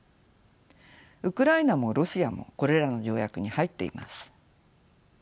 ウクライナもロシアもこれらの条約に入っています。